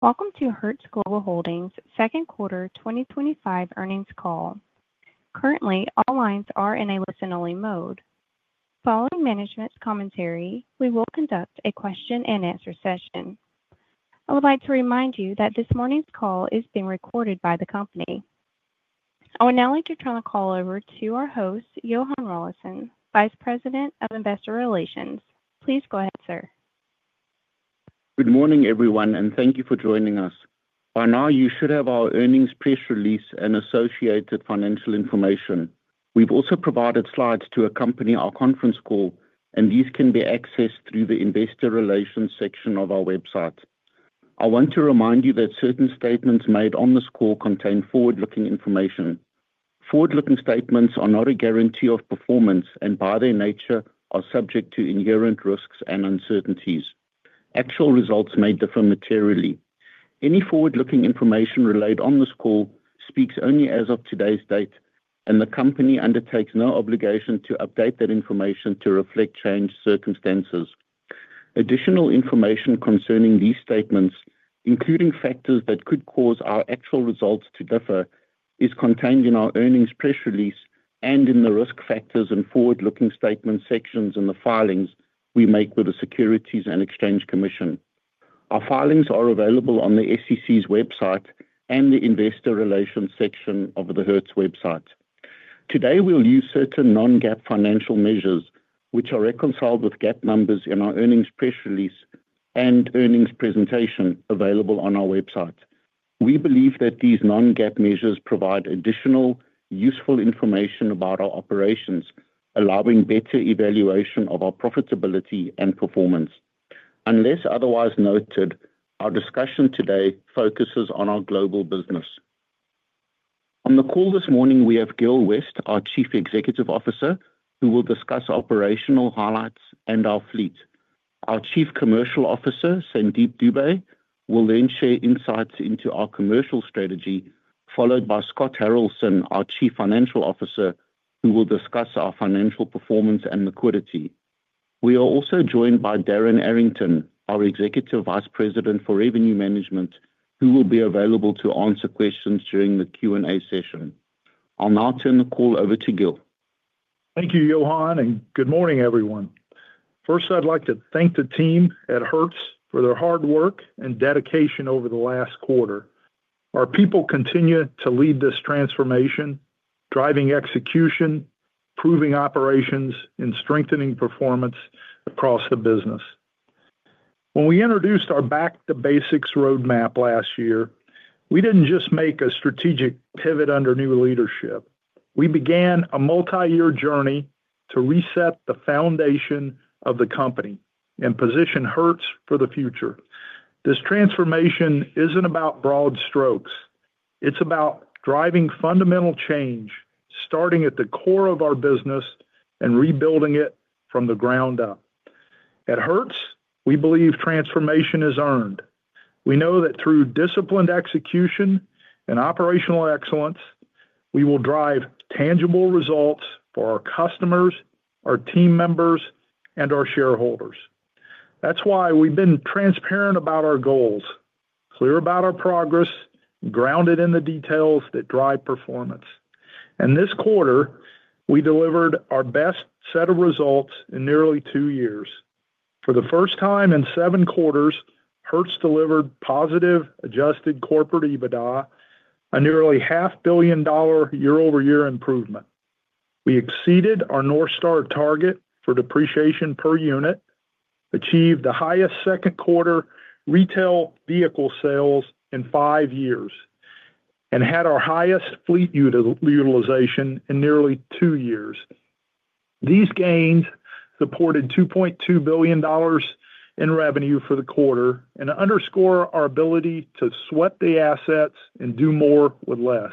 Welcome to Hertz Global Holdings' Second Quarter 2025 Earnings Call. Currently, all lines are in a listen-only mode. Following management's commentary, we will conduct a question-and-answer session. I would like to remind you that this morning's call is being recorded by the company. I would now like to turn the call over to our host, Johann Rawlinson, Vice President of Investor Relations. Please go ahead, sir. Good morning, everyone, and thank you for joining us. By now, you should have our earnings press release and associated financial information. We've also provided slides to accompany our conference call, and these can be accessed through the Investor Relations section of our website. I want to remind you that certain statements made on this call contain forward-looking information. Forward-looking statements are not a guarantee of performance and, by their nature, are subject to inherent risks and uncertainties. Actual results may differ materially. Any forward-looking information relayed on this call speaks only as of today's date, and the company undertakes no obligation to update that information to reflect changed circumstances. Additional information concerning these statements, including factors that could cause our actual results to differ, is contained in our earnings press release and in the risk factors and forward-looking statements sections in the filings we make with the Securities and Exchange Commission. Our filings are available on the SEC's website and the Investor Relations section of the Hertz website. Today, we'll use certain non-GAAP financial measures, which are reconciled with GAAP numbers in our earnings press release and earnings presentation available on our website. We believe that these non-GAAP measures provide additional useful information about our operations, allowing better evaluation of our profitability and performance. Unless otherwise noted, our discussion today focuses on our global business. On the call this morning, we have Gil West, our Chief Executive Officer, who will discuss operational highlights and our fleet. Our Chief Commercial Officer, Sandeep Dube, will then share insights into our commercial strategy, followed by Scott Haralson, our Chief Financial Officer, who will discuss our financial performance and liquidity. We are also joined by Darren Arrington, our Executive Vice President for Revenue Management, who will be available to answer questions during the Q&A session. I'll now turn the call over to Gil. Thank you, Johann, and good morning, everyone. First, I'd like to thank the team at Hertz for their hard work and dedication over the last quarter. Our people continue to lead this transformation, driving execution, improving operations, and strengthening performance across the business. When we introduced our back-to-basics roadmap last year, we didn't just make a strategic pivot under new leadership. We began a multi-year journey to reset the foundation of the company and position Hertz for the future. This transformation isn't about broad strokes. It's about driving fundamental change, starting at the core of our business and rebuilding it from the ground up. At Hertz, we believe transformation is earned. We know that through disciplined execution and operational excellence, we will drive tangible results for our customers, our team members, and our shareholders. That is why we've been transparent about our goals, clear about our progress, and grounded in the details that drive performance. This quarter, we delivered our best set of results in nearly two years. For the first time in seven quarters, Hertz delivered positive adjusted corporate EBITDA: a nearly $500,000,000 million year-over-year improvement. We exceeded our North Star target for depreciation per unit, achieved the highest second-quarter retail vehicle sales in five years, and had our highest fleet utilization in nearly two years. These gains supported $2.2 billion in revenue for the quarter and underscore our ability to sweat the assets and do more with less.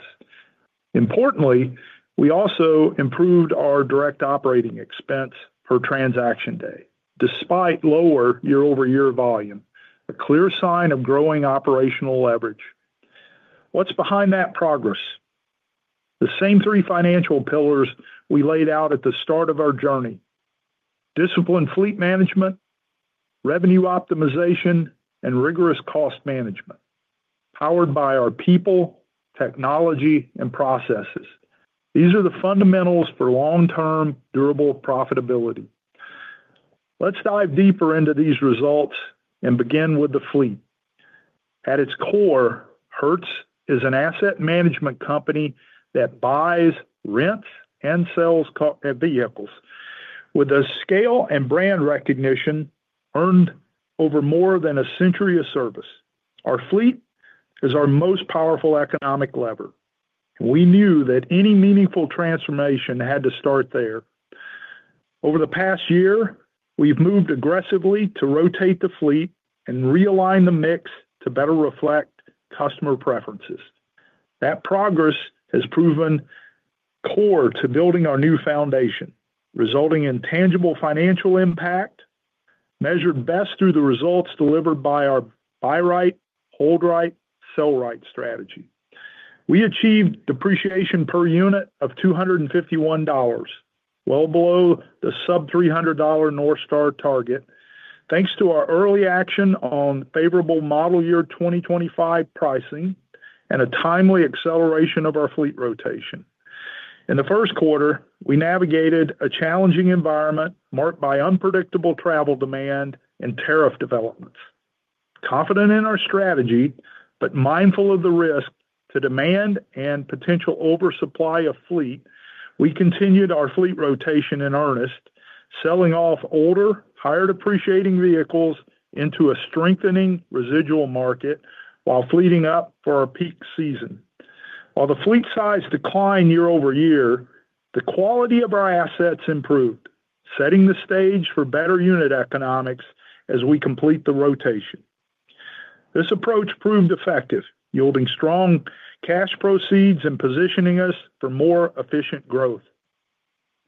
Importantly, we also improved our direct operating expense per transaction day, despite lower year-over-year volume: a clear sign of growing operational leverage. What is behind that progress? The same three financial pillars we laid out at the start of our journey: disciplined fleet management, revenue optimization, and rigorous cost management, powered by our people, technology, and processes. These are the fundamentals for long-term, durable profitability. Let's dive deeper into these results and begin with the fleet. At its core, Hertz is an asset management company that buys, rents, and sells vehicles with the scale and brand recognition earned over more than a century of service. Our fleet is our most powerful economic lever. We knew that any meaningful transformation had to start there. Over the past year, we've moved aggressively to rotate the fleet and realign the mix to better reflect customer preferences. That progress has proven core to building our new foundation, resulting in tangible financial impact measured best through the results delivered by our buy-right, hold-right, sell-right strategy. We achieved depreciation per unit of $251, well below the sub-$300 North Star target, thanks to our early action on favorable model year 2025 pricing and a timely acceleration of our fleet rotation. In the first quarter, we navigated a challenging environment marked by unpredictable travel demand and tariff developments. Confident in our strategy, but mindful of the risk to demand and potential oversupply of fleet, we continued our fleet rotation in earnest, selling off older, higher depreciating vehicles into a strengthening residual market while fleeting up for our peak season. While the fleet size declined year-over-year, the quality of our assets improved, setting the stage for better unit economics as we complete the rotation. This approach proved effective, yielding strong cash proceeds and positioning us for more efficient growth.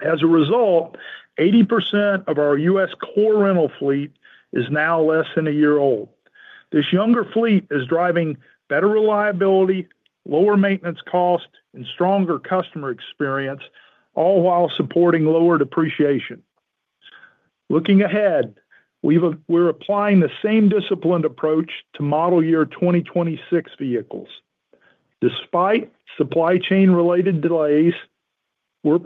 As a result, 80% of our U.S. core rental fleet is now less than a year old. This younger fleet is driving better reliability, lower maintenance costs, and stronger customer experience, all while supporting lower depreciation. Looking ahead, we're applying the same disciplined approach to model year 2026 vehicles. Despite supply chain-related delays, we're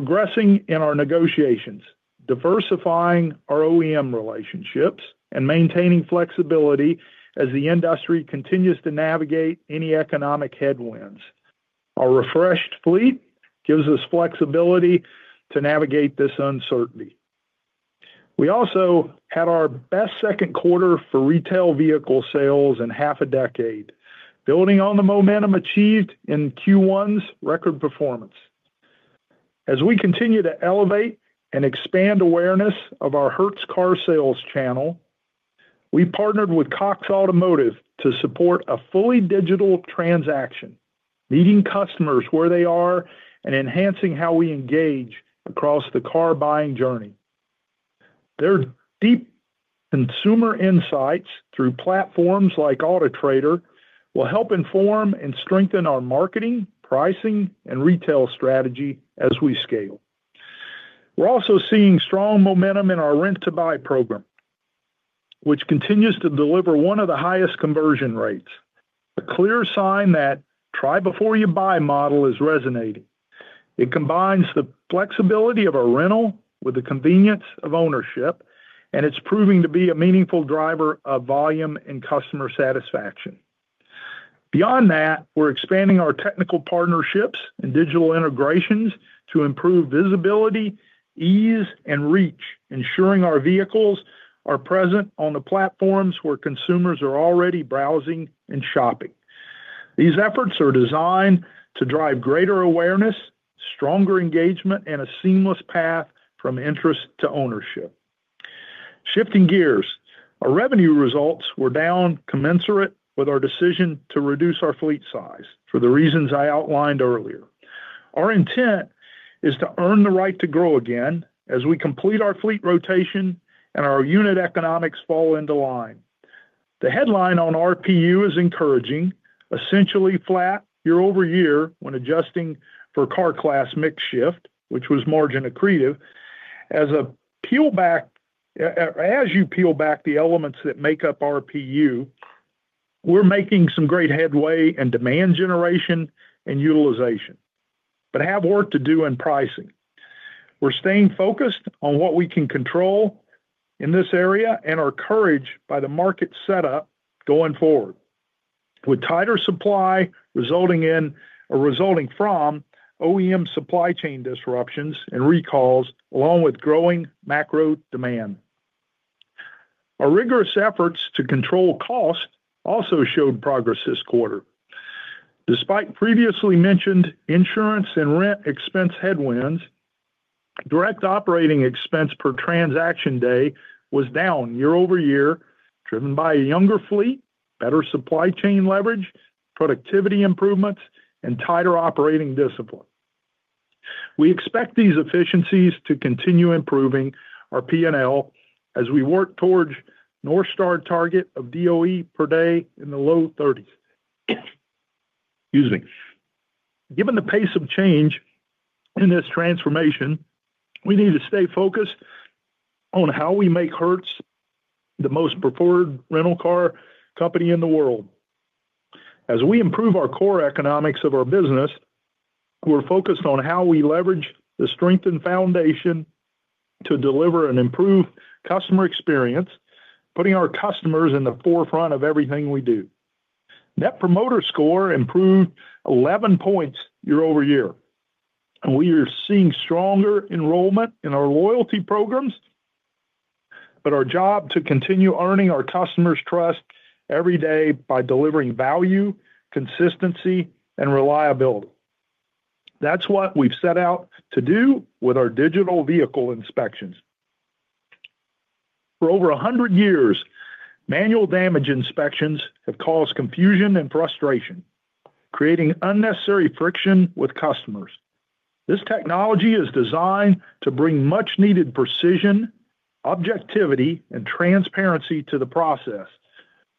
progressing in our negotiations, diversifying our OEM relationships, and maintaining flexibility as the industry continues to navigate any economic headwinds. Our refreshed fleet gives us flexibility to navigate this uncertainty. We also had our best second quarter for retail vehicle sales in half a decade, building on the momentum achieved in Q1's record performance. As we continue to elevate and expand awareness of our Hertz car sales channel, we partnered with Cox Automotive to support a fully digital transaction, meeting customers where they are and enhancing how we engage across the car buying journey. Their deep consumer insights through platforms like Autotrader will help inform and strengthen our marketing, pricing, and retail strategy as we scale. We're also seeing strong momentum in our rent-to-buy program, which continues to deliver one of the highest conversion rates. A clear sign that the "try before you buy" model is resonating. It combines the flexibility of a rental with the convenience of ownership, and it's proving to be a meaningful driver of volume and customer satisfaction. Beyond that, we're expanding our technical partnerships and digital integrations to improve visibility, ease, and reach, ensuring our vehicles are present on the platforms where consumers are already browsing and shopping. These efforts are designed to drive greater awareness, stronger engagement, and a seamless path from interest to ownership. Shifting gears, our revenue results were down commensurate with our decision to reduce our fleet size for the reasons I outlined earlier. Our intent is to earn the right to grow again as we complete our fleet rotation and our unit economics fall into line. The headline on RPU is encouraging, essentially flat year-over-year when adjusting for car class mix shift, which was margin accretive. As you peel back the elements that make up RPU, we're making some great headway in demand generation and utilization, but have work to do in pricing. We're staying focused on what we can control in this area and are encouraged by the market setup going forward, with tighter supply resulting in or resulting from OEM supply chain disruptions and recalls, along with growing macro demand. Our rigorous efforts to control costs also showed progress this quarter. Despite previously mentioned insurance and rent expense headwinds, direct operating expense per transaction day was down year-over-year, driven by a younger fleet, better supply chain leverage, productivity improvements, and tighter operating discipline. We expect these efficiencies to continue improving our P&L as we work towards the North Star target of DOE per day in the low 30s. Given the pace of change in this transformation, we need to stay focused on how we make Hertz the most preferred rental car company in the world. As we improve our core economics of our business, we're focused on how we leverage the strengthened foundation to deliver an improved customer experience, putting our customers in the forefront of everything we do. Net Promoter Score improved 11 points year-over-year, and we are seeing stronger enrollment in our loyalty programs. Our job is to continue earning our customers' trust every day by delivering value, consistency, and reliability. That's what we've set out to do with our digital vehicle inspections. For over 100 years, manual damage inspections have caused confusion and frustration, creating unnecessary friction with customers. This technology is designed to bring much-needed precision, objectivity, and transparency to the process,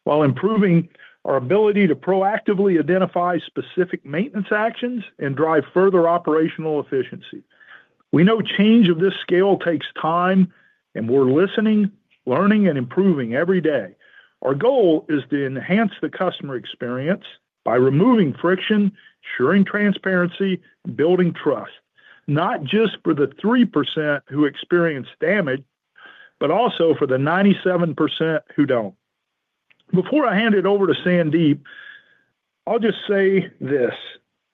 while improving our ability to proactively identify specific maintenance actions and drive further operational efficiency. We know change of this scale takes time, and we're listening, learning, and improving every day. Our goal is to enhance the customer experience by removing friction, ensuring transparency, and building trust, not just for the 3% who experience damage, but also for the 97% who don't. Before I hand it over to Sandeep, I'll just say this: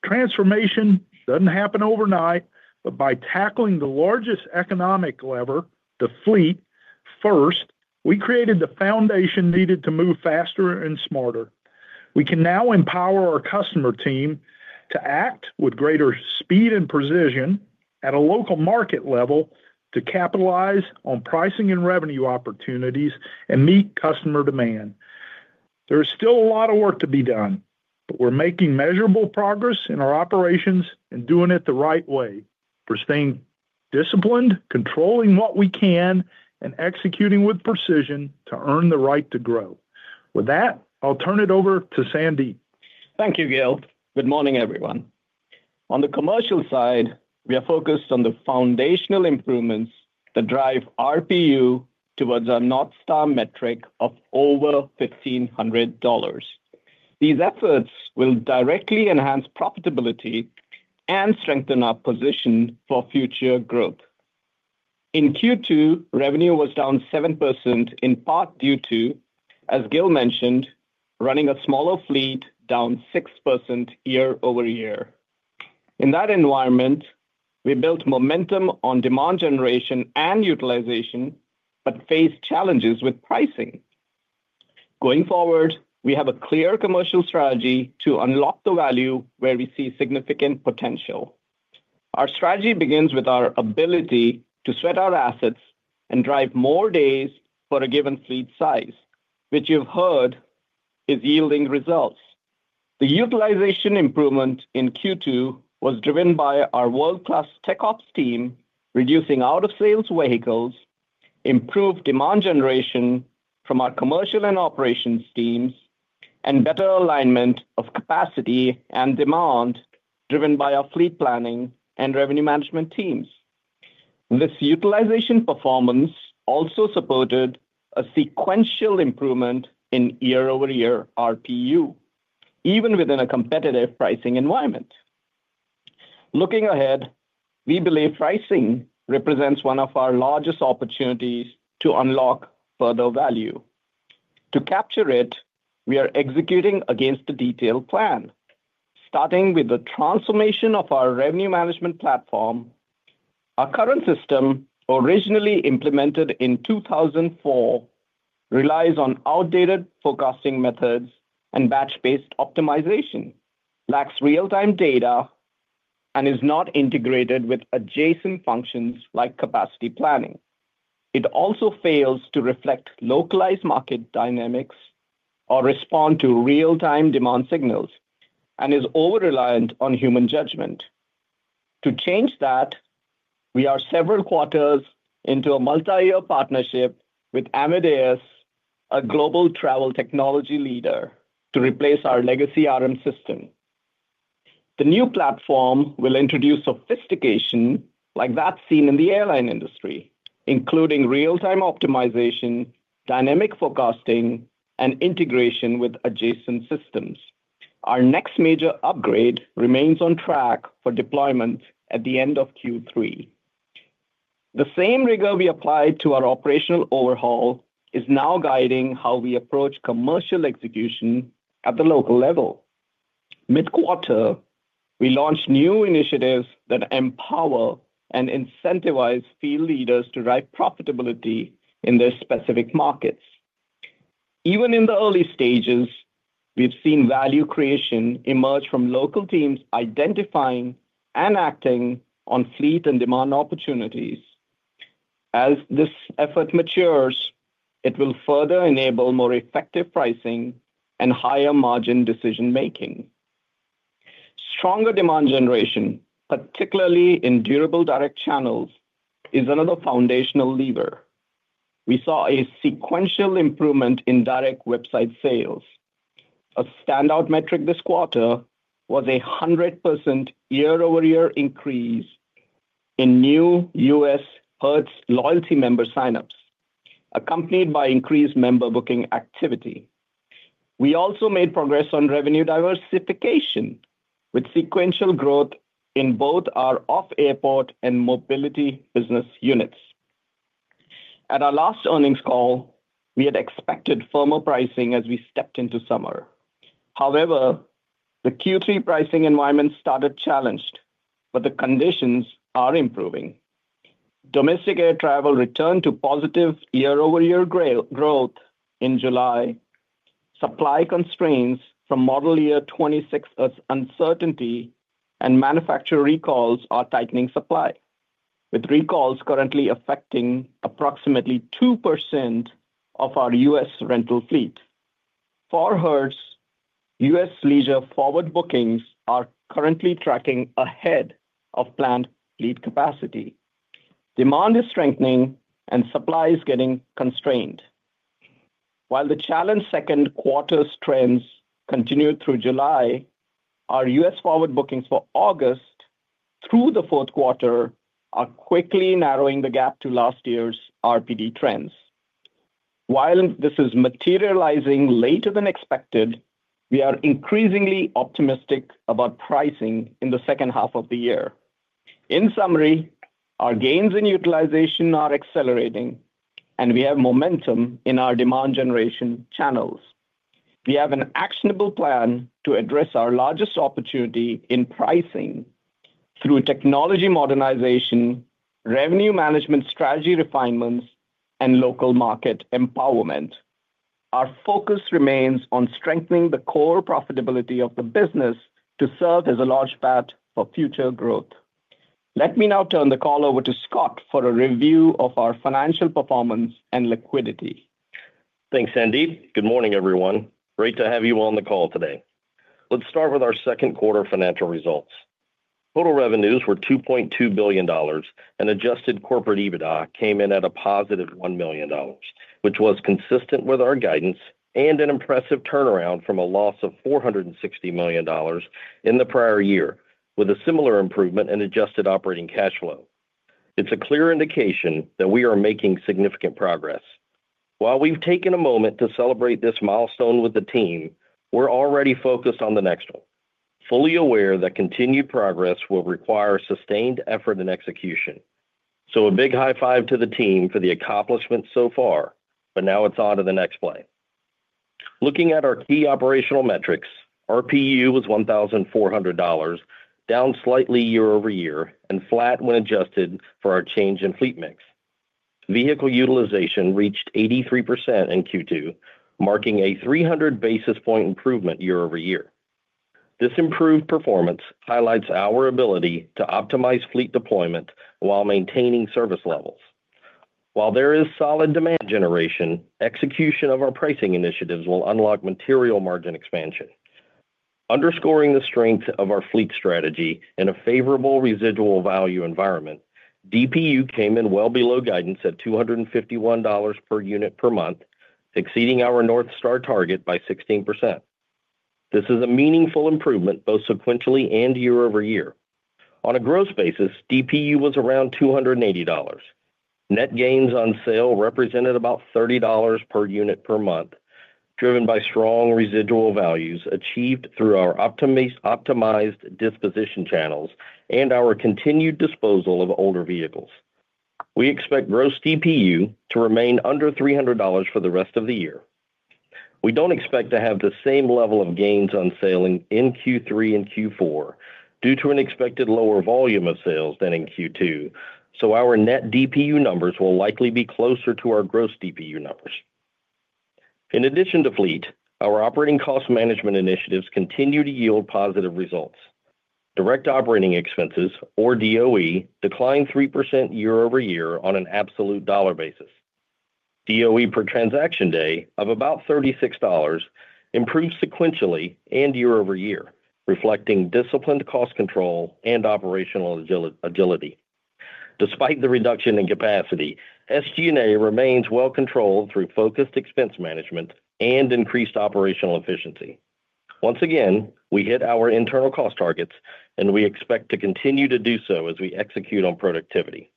transformation doesn't happen overnight, but by tackling the largest economic lever, the fleet, first, we created the foundation needed to move faster and smarter. We can now empower our customer team to act with greater speed and precision at a local market level to capitalize on pricing and revenue opportunities and meet customer demand. There is still a lot of work to be done, but we're making measurable progress in our operations and doing it the right way. We're staying disciplined, controlling what we can, and executing with precision to earn the right to grow. With that, I'll turn it over to Sandeep. Thank you, Gil. Good morning, everyone. On the commercial side, we are focused on the foundational improvements that drive RPU towards our North Star target of over $1,500. These efforts will directly enhance profitability and strengthen our position for future growth. In Q2, revenue was down 7% in part due to, as Gil mentioned, running a smaller fleet down 6% year-over-year. In that environment, we built momentum on demand generation and utilization, but faced challenges with pricing. Going forward, we have a clear commercial strategy to unlock the value where we see significant potential. Our strategy begins with our ability to sweat our assets and drive more days for a given fleet size, which you've heard is yielding results. The utilization improvement in Q2 was driven by our world-class tech ops team, reducing out-of-sales vehicles, improved demand generation from our commercial and operations teams, and better alignment of capacity and demand driven by our fleet planning and revenue management teams. This utilization performance also supported a sequential improvement in year-over-year RPU, even within a competitive pricing environment. Looking ahead, we believe pricing represents one of our largest opportunities to unlock further value. To capture it, we are executing against the detailed plan, starting with the transformation of our revenue management platform. Our current system, originally implemented in 2004, relies on outdated forecasting methods and batch-based optimization, lacks real-time data, and is not integrated with adjacent functions like capacity planning. It also fails to reflect localized market dynamics or respond to real-time demand signals and is over-reliant on human judgment. To change that, we are several quarters into a multi-year partnership with Amadeus, a global travel technology leader, to replace our legacy RM system. The new platform will introduce sophistication like that seen in the airline industry, including real-time optimization, dynamic forecasting, and integration with adjacent systems. Our next major upgrade remains on track for deployment at the end of Q3. The same rigor we applied to our operational overhaul is now guiding how we approach commercial execution at the local level. Mid-quarter, we launched new initiatives that empower and incentivize field leaders to drive profitability in their specific markets. Even in the early stages, we've seen value creation emerge from local teams identifying and acting on fleet and demand opportunities. As this effort matures, it will further enable more effective pricing and higher margin decision-making. Stronger demand generation, particularly in durable direct channels, is another foundational lever. We saw a sequential improvement in direct website sales. A standout metric this quarter was a 100% year-over-year increase in new U.S. Hertz loyalty member sign-ups, accompanied by increased member booking activity. We also made progress on revenue diversification with sequential growth in both our off-airport and mobility business units. At our last earnings call, we had expected firmer pricing as we stepped into summer. However, the Q3 pricing environment started challenged, but the conditions are improving. Domestic air travel returned to positive year-over-year growth in July. Supply constraints from model year 2026 Hertz uncertainty and manufacturer recalls are tightening supply, with recalls currently affecting approximately 2% of our U.S. rental fleet. For Hertz, U.S. leisure forward bookings are currently tracking ahead of planned fleet capacity. Demand is strengthening and supply is getting constrained. While the challenged second quarter's trends continue through July, our U.S. forward bookings for August through the fourth quarter are quickly narrowing the gap to last year's RPD trends. While this is materializing later than expected, we are increasingly optimistic about pricing in the second half of the year. In summary, our gains in utilization are accelerating, and we have momentum in our demand generation channels. We have an actionable plan to address our largest opportunity in pricing through technology modernization, revenue management strategy refinements, and local market empowerment. Our focus remains on strengthening the core profitability of the business to serve as a launchpad for future growth. Let me now turn the call over to Scott for a review of our financial performance and liquidity. Thanks, Sandeep. Good morning, everyone. Great to have you on the call today. Let's start with our second quarter financial results. Total revenues were $2.2 billion, and adjusted corporate EBITDA came in at a +$1 million, which was consistent with our guidance and an impressive turnaround from a loss of $460 million in the prior year, with a similar improvement in adjusted operating cash flow. It's a clear indication that we are making significant progress. While we've taken a moment to celebrate this milestone with the team, we're already focused on the next one, fully aware that continued progress will require sustained effort and execution. A big high five to the team for the accomplishments so far, but now it's on to the next plan. Looking at our key operational metrics, RPU was $1,400, down slightly year-over-year, and flat when adjusted for our change in fleet mix. Vehicle utilization reached 83% in Q2, marking a 300 basis point improvement year-over-year. This improved performance highlights our ability to optimize fleet deployment while maintaining service levels. While there is solid demand generation, execution of our pricing initiatives will unlock material margin expansion, underscoring the strength of our fleet strategy in a favorable residual value environment. DPU came in well below guidance at $251 per unit per month, exceeding our North Star target by 16%. This is a meaningful improvement both sequentially and year-over-year. On a gross basis, DPU was around $280. Net gains on sale represented about $30 per unit per month, driven by strong residual values achieved through our optimized disposition channels and our continued disposal of older vehicles. We expect gross DPU to remain under $300 for the rest of the year. We don't expect to have the same level of gains on sale in Q3 and Q4 due to an expected lower volume of sales than in Q2, so our net DPU numbers will likely be closer to our gross DPU numbers. In addition to fleet, our operating cost management initiatives continue to yield positive results. Direct operating expenses, or DOE, declined 3% year-over-year on an absolute dollar basis. DOE per transaction day of about $36 improved sequentially and year-over-year, reflecting disciplined cost control and operational agility. Despite the reduction in capacity, SG&A remains well controlled through focused expense management and increased operational efficiency. Once again, we hit our internal cost targets, and we expect to continue to do so as we execute on productivity.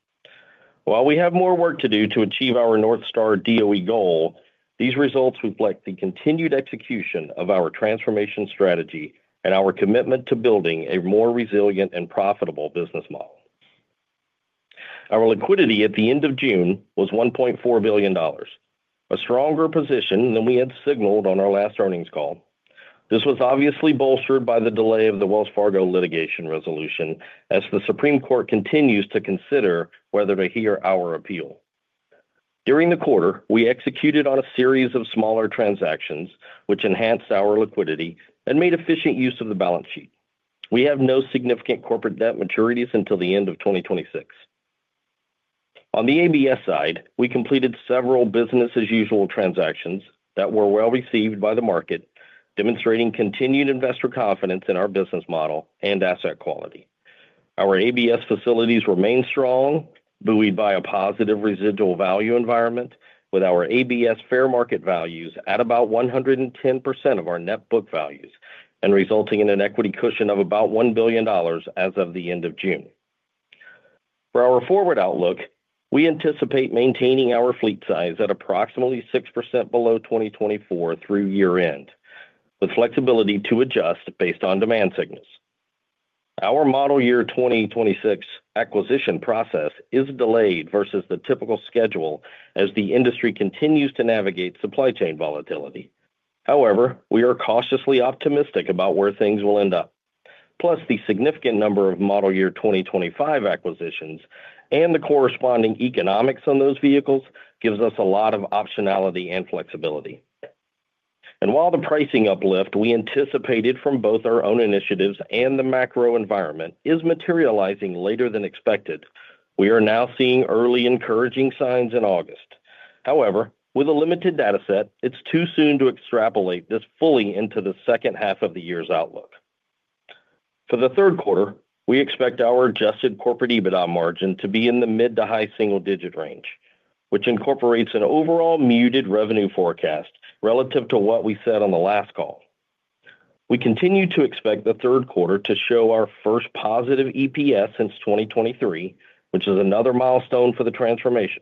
While we have more work to do to achieve our North Star DPU goal, these results reflect the continued execution of our transformation strategy and our commitment to building a more resilient and profitable business model. Our liquidity at the end of June was $1.4 billion, a stronger position than we had signaled on our last earnings call. This was obviously bolstered by the delay of the Wells Fargo litigation resolution as the Supreme Court continues to consider whether to hear our appeal. During the quarter, we executed on a series of smaller transactions, which enhanced our liquidity and made efficient use of the balance sheet. We have no significant corporate debt maturities until the end of 2026. On the ABS side, we completed several business-as-usual transactions that were well received by the market, demonstrating continued investor confidence in our business model and asset quality. Our ABS facilities remain strong, buoyed by a positive residual value environment, with our ABS fair market values at about 110% of our net book values and resulting in an equity cushion of about $1 billion as of the end of June. For our forward outlook, we anticipate maintaining our fleet size at approximately 6% below 2024 through year-end, with flexibility to adjust based on demand signals. Our model year 2026 acquisition process is delayed versus the typical schedule as the industry continues to navigate supply chain volatility. However, we are cautiously optimistic about where things will end up. Plus, the significant number of model year 2025 acquisitions and the corresponding economics on those vehicles gives us a lot of optionality and flexibility. While the pricing uplift we anticipated from both our own initiatives and the macro environment is materializing later than expected, we are now seeing early encouraging signs in August. However, with a limited data set, it's too soon to extrapolate this fully into the second half of the year's outlook. For the third quarter, we expect our adjusted corporate EBITDA margin to be in the mid to high single-digit range, which incorporates an overall muted revenue forecast relative to what we said on the last call. We continue to expect the third quarter to show our first positive EPS since 2023, which is another milestone for the transformation.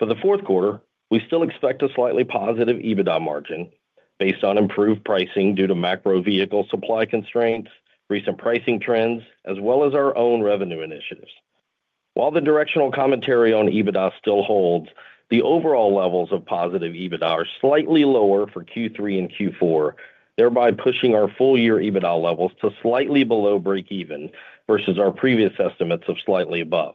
For the fourth quarter, we still expect a slightly positive EBITDA margin based on improved pricing due to macro vehicle supply constraints, recent pricing trends, as well as our own revenue initiatives. While the directional commentary on EBITDA still holds, the overall levels of positive EBITDA are slightly lower for Q3 and Q4, thereby pushing our full-year EBITDA levels to slightly below breakeven versus our previous estimates of slightly above.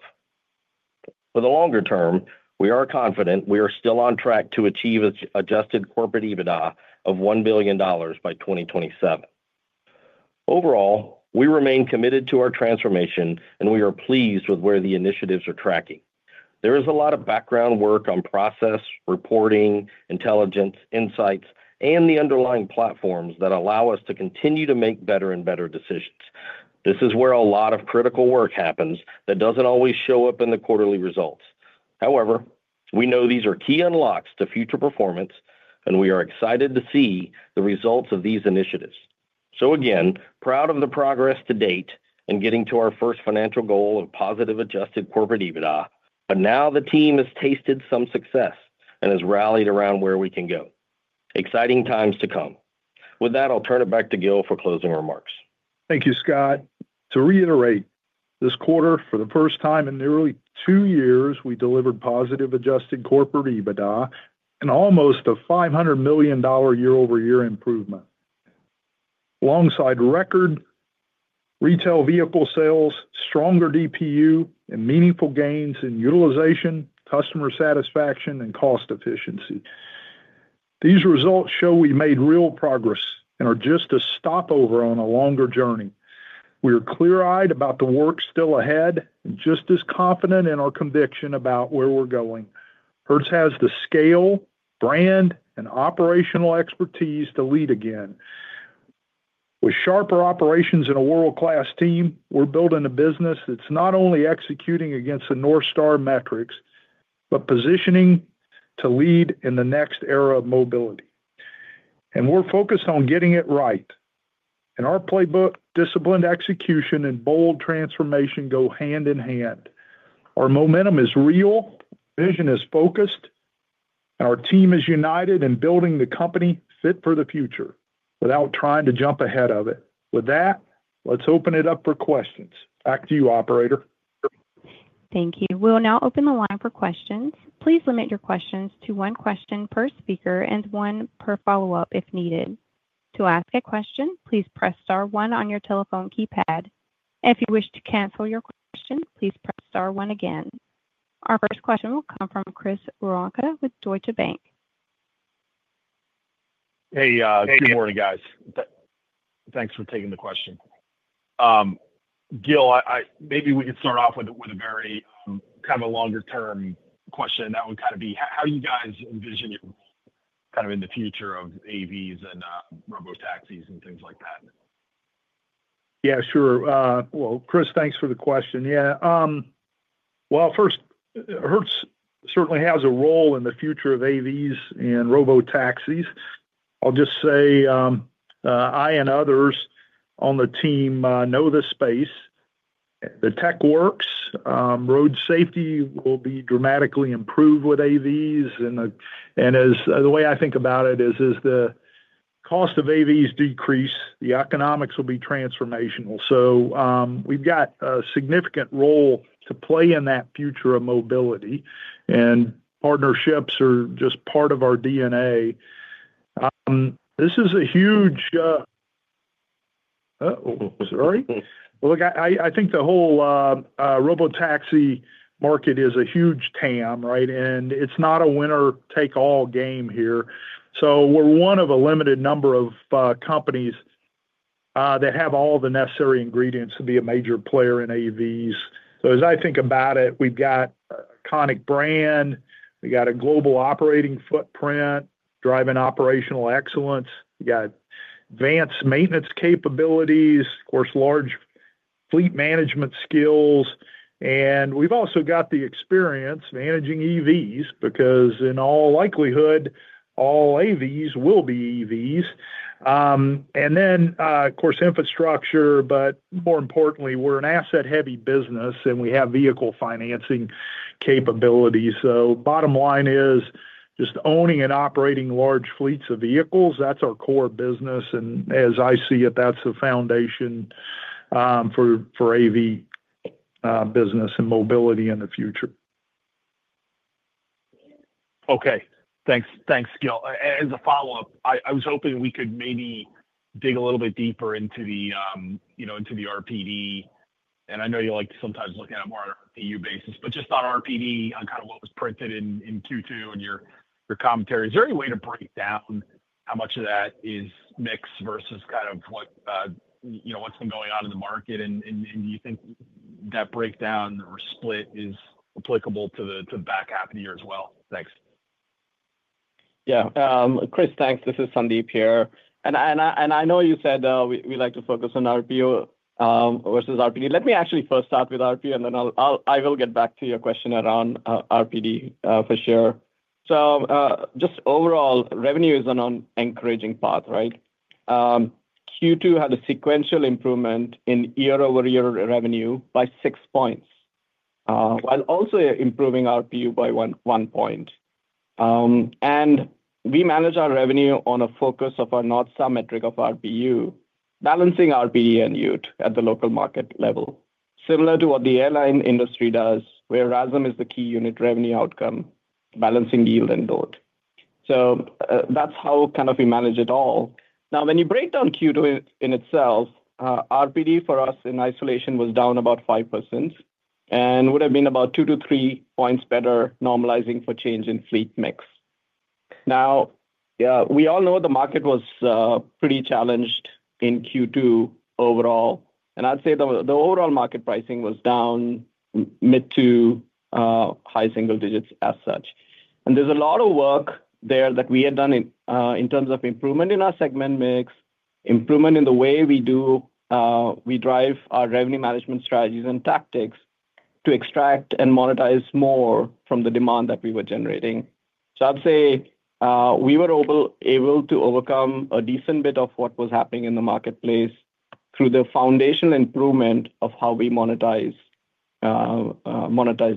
For the longer term, we are confident we are still on track to achieve an adjusted corporate EBITDA of $1 billion by 2027. Overall, we remain committed to our transformation, and we are pleased with where the initiatives are tracking. There is a lot of background work on process, reporting, intelligence, insights, and the underlying platforms that allow us to continue to make better and better decisions. This is where a lot of critical work happens that doesn't always show up in the quarterly results. However, we know these are key unlocks to future performance, and we are excited to see the results of these initiatives. Again, proud of the progress to date in getting to our first financial goal of positive adjusted corporate EBITDA, but now the team has tasted some success and has rallied around where we can go. Exciting times to come. With that, I'll turn it back to Gil for closing remarks. Thank you, Scott. To reiterate, this quarter, for the first time in nearly two years, we delivered positive adjusted corporate EBITDA and almost a $500 million year-over-year improvement. Alongside record retail vehicle sales, stronger DPU, and meaningful gains in utilization, customer satisfaction, and cost efficiency, these results show we made real progress and are just a stopover on a longer journey. We are clear-eyed about the work still ahead and just as confident in our conviction about where we're going. Hertz has the scale, brand, and operational expertise to lead again. With sharper operations and a world-class team, we're building a business that's not only executing against the North Star metrics, but positioning to lead in the next era of mobility. We are focused on getting it right. In our playbook, disciplined execution and bold transformation go hand in hand. Our momentum is real, vision is focused, and our team is united in building the company fit for the future without trying to jump ahead of it. With that, let's open it up for questions. Back to you, operator. Thank you. We'll now open the line for questions. Please limit your questions to one question per speaker and one per follow-up if needed. To ask a question, please press star one on your telephone keypad. If you wish to cancel your question, please press star one again. Our first question will come from Chris Woronka with Deutsche Bank. Hey, good morning, guys. Thanks for taking the question. Gil, maybe we could start off with a very kind of a longer-term question. That would kind of be how you guys envision it in the future of autonomous vehicles and robotaxis and things like that. Yeah, sure. Chris, thanks for the question. First, Hertz Global Holdings certainly has a role in the future of autonomous vehicles and robotaxis. I and others on the team know this space. The tech works. Road safety will be dramatically improved with autonomous vehicles. The way I think about it is as the cost of autonomous vehicles decreases, the economics will be transformational. We've got a significant role to play in that future of mobility, and partnerships are just part of our DNA. I think the whole robotaxi market is a huge TAM, right? It's not a winner-take-all game here. We're one of a limited number of companies that have all the necessary ingredients to be a major player in autonomous vehicles. As I think about it, we've got an iconic brand. We've got a global operating footprint driving operational excellence. We've got advanced maintenance capabilities, large fleet management skills, and we've also got the experience managing EVs because, in all likelihood, all autonomous vehicles will be EVs. Of course, infrastructure, but more importantly, we're an asset-heavy business, and we have vehicle financing capabilities. Bottom line is just owning and operating large fleets of vehicles. That's our core business. As I see it, that's the foundation for autonomous vehicle business and mobility in the future. Okay. Thanks, Gil. As a follow-up, I was hoping we could maybe dig a little bit deeper into the RPD. I know you like to sometimes look at it more on an RPU basis, but just on RPD, on kind of what was printed in Q2 and your commentary, is there any way to break down how much of that is mix versus kind of what, you know, what's been going on in the market? Do you think that breakdown or split is applicable to the back half of the year as well? Thanks. Yeah. Chris, thanks. This is Sandeep here. I know you said we like to focus on RPU versus RPD. Let me actually first start with RPU, and then I will get back to your question around RPD for sure. Just overall, revenue is an encouraging path, right? Q2 had a sequential improvement in year-over-year revenue by 6 points, while also improving RPU by 1 point. We manage our revenue on a focus of our North Star metric of RPU, balancing RPD and yield at the local market level, similar to what the airline industry does, where RASM is the key unit revenue outcome, balancing yield and both. That is how we manage it all. Now, when you break down Q2 in itself, RPD for us in isolation was down about 5% and would have been about 2 points-3 points better normalizing for change in fleet mix. We all know the market was pretty challenged in Q2 overall, and I'd say the overall market pricing was down mid to high single digits as such. There is a lot of work there that we had done in terms of improvement in our segment mix, improvement in the way we drive our revenue management strategies and tactics to extract and monetize more from the demand that we were generating. I'd say we were able to overcome a decent bit of what was happening in the marketplace through the foundational improvement of how we monetize